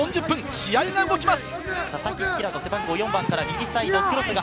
試合が動きます。